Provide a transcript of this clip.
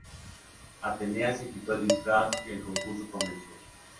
Atenea se quitó el disfraz y el concurso comenzó.